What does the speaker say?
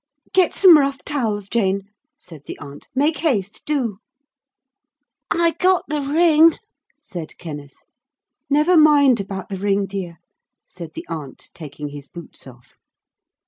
'Get some rough towels, Jane,' said the aunt. 'Make haste, do.' 'I got the ring,' said Kenneth. 'Never mind about the ring, dear,' said the aunt, taking his boots off.